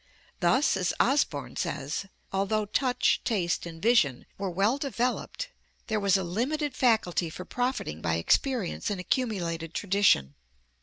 Thus, as Osborn says, although touch, taste and vision were well developed there was a limited faculty for profiting by experience and accumulated tradition.